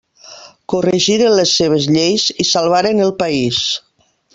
Corregiren les seves lleis i salvaren el país.